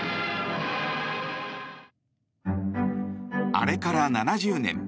あれから７０年。